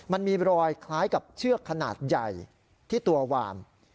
มันมีรอยคล้ายกับเชือกขนาดใหญ่ที่ตัวหวาน